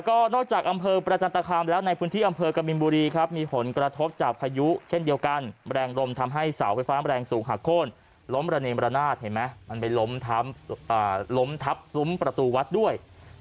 ของวัดส่วมประสิมราชพระปรุงหังหาย